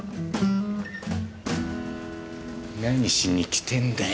何しに来てんだよ